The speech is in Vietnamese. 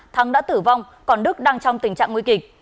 thắng đã tử vong còn đức đang trong tình trạng nguy kịch